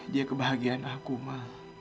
dia kebahagiaan aku ma